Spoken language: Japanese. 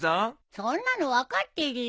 そんなの分かってるよ。